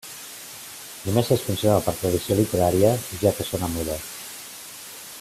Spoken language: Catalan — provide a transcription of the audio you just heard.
Només es conserva per tradició literària, ja que sona muda.